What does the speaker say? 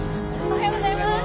おはようございます。